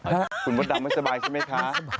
คุณมดดำไม่สบายใช่ไหมคะ